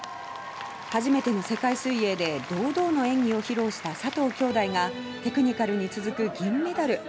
初めての世界水泳で堂々の演技を披露した佐藤姉弟がテクニカルに続く銀メダル。